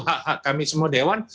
hak hak kami semua dewan